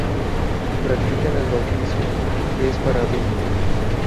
Practican el bautizo, que es para adultos.